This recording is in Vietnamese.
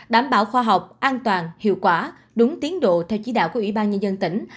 đảm bảo khoa học an toàn hiệu quả đúng tiến độ theo chỉ đạo của ủy ban nhân dân tỉnh